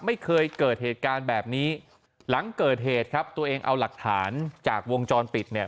ไม่เคยเกิดเหตุการณ์แบบนี้หลังเกิดเหตุครับตัวเองเอาหลักฐานจากวงจรปิดเนี่ย